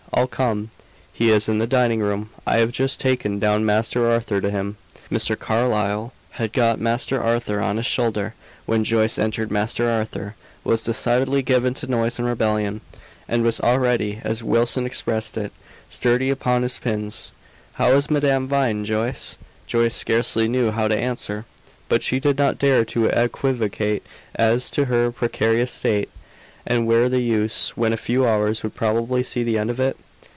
"I'll come." "He is in the dining room. I have just taken down Master Arthur to him." Mr. Carlyle had got "Master Arthur" on his shoulder when Joyce entered. Master Arthur was decidedly given to noise and rebellion, and was already, as Wilson expressed it, "sturdy upon his pins." "How is Madame Vine, Joyce?" Joyce scarcely knew how to answer. But she did not dare to equivocate as to her precarious state. And where the use, when a few hours would probably see the end of it?